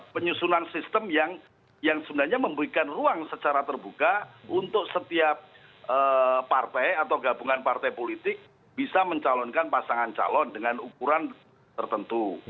penyusunan sistem yang sebenarnya memberikan ruang secara terbuka untuk setiap partai atau gabungan partai politik bisa mencalonkan pasangan calon dengan ukuran tertentu